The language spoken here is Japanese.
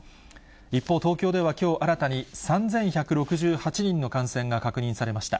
一方、東京ではきょう新たに３１６８人の感染が確認されました。